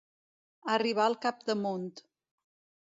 Arribar al capdamunt.